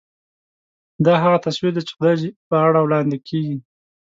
دا هغه تصویر دی چې خدای په اړه وړاندې کېږي.